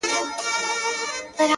نه یم رسېدلی لا سپېڅلیي لېونتوب ته زه,